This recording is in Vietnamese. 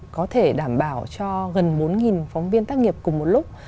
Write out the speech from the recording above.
có thể đảm bảo cho gần bốn phóng viên tác nghiệp cùng một lúc